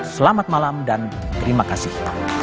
selamat malam dan terima kasih